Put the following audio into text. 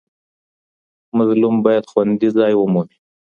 مظلوم باید خوندي ځای ومومي.